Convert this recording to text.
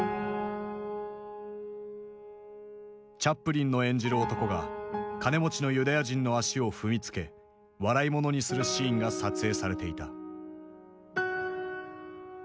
チャップリンの演じる男が金持ちのユダヤ人の足を踏みつけ笑いものにするシーンが撮影されていた。